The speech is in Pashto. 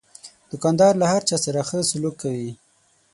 دوکاندار له هر چا سره ښه سلوک کوي.